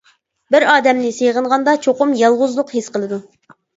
بىر ئادەمنى سېغىنغاندا چوقۇم يالغۇزلۇق ھېس قىلىدۇ.